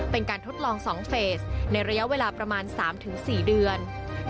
เป็นการทดลอง๒เฟสในระยะเวลาประมาณ๓๔เดือน